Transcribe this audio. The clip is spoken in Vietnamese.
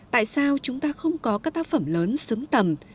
tại sao chúng ta không có các tác phẩm lớn xứng tầm